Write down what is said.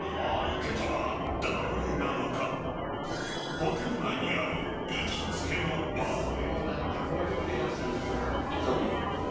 ［ホテル内にある行きつけのバーへ］